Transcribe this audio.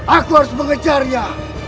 aku harus mengejarnya